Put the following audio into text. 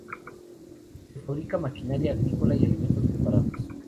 Se fabrica maquinaria agrícola y alimentos preparados.